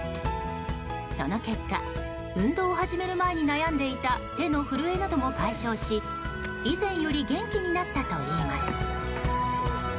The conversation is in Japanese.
その結果、運動を始める前に悩んでいた手の震えなども解消し以前より元気になったといいます。